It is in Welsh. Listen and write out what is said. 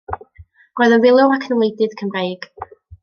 Roedd yn filwr ac yn wleidydd Cymreig.